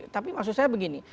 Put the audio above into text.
tapi maksud saya begini